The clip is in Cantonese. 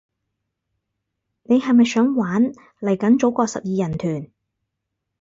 你係咪想玩，嚟緊組個十二人團